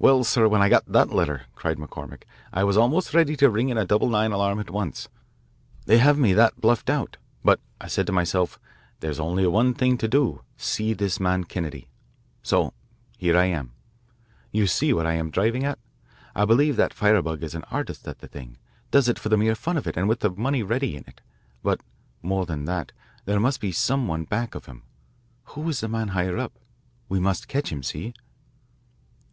"Well, sir, when I got that letter," cried McCormick, "I was almost ready to ring in a double nine alarm at once they have me that bluffed out. But I said to myself, 'There's only one thing to do see this man Kennedy.' So here I am. You see what I am driving at? I believe that firebug is an artist at the thing, does it for the mere fun of it and the ready money in it. But more than that, there must be some one back of him. Who is the man higher up we must catch him. See?"